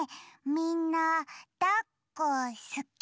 みんなだっこすき？